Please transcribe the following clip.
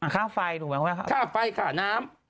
ข้าวไฟครับน้ำ